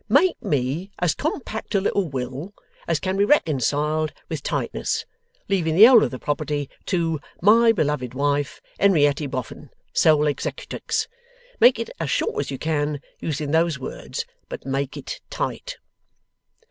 Make me as compact a little will as can be reconciled with tightness, leaving the whole of the property to "my beloved wife, Henerietty Boffin, sole executrix". Make it as short as you can, using those words; but make it tight.